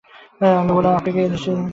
আমি বললাম, আপনি কি নিশ্চিত যে দুটো চা-ই এক?